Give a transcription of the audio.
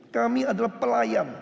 kami adalah pelayan